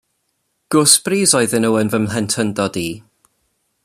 Gwsbris oedden nhw yn fy mhlentyndod i.